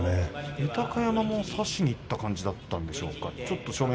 豊山も差しにいった感じだったんでしょうか。